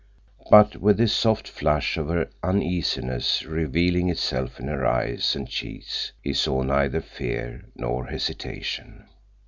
But with this soft flush of her uneasiness, revealing itself in her eyes and cheeks, he saw neither fear nor hesitation.